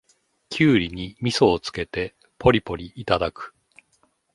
キュウリにみそをつけてポリポリいただく